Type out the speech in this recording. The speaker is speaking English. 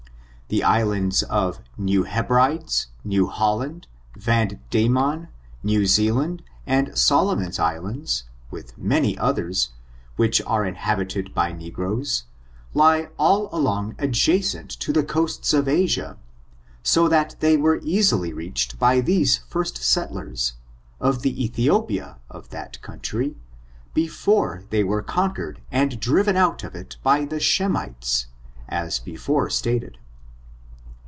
The islands of New Hebrides, New Holland, Van Dieman, New Zealand, and Solomon's Islands, with many others, which are inhabited by negroes, lie all along adja cent to the coasts of Asia, so that they were easily reached by these first settlers, of the Ethiopia of that country, before they were conquered and driven out of it by the Shemites, as before stated.